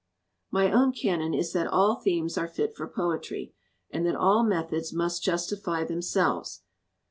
''My own canon is that all themes are fit for poetry and that all methods must justify them selves.